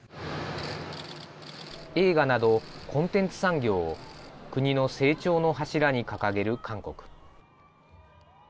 映画など、コンテンツ産業を国の成長の柱に掲げる韓国。